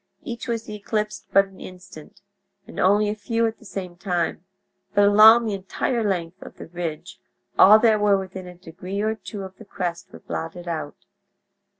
Each was eclipsed but an instant, and only a few at the same time, but along the entire length of the ridge all that were within a degree or two of the crest were blotted out.